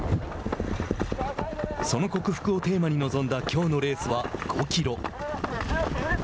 その克服をテーマに臨んだきょうのレースは５キロ。